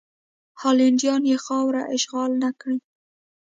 هالنډیان یې خاوره اشغال نه کړي.